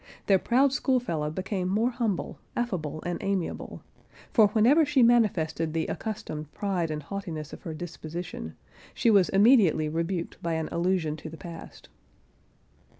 Their proud schoolfellow became more humble, affable and amiable; for whenever she manifested the accustomed pride and haughtiness of her disposition, she was immediately rebuked by an allusion to the past.